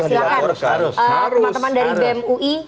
silahkan teman teman dari bmui